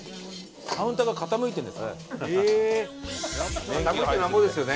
カウンターが傾いてるんですよね。